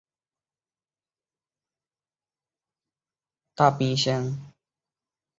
草苁蓉为列当科草苁蓉属下的一个种。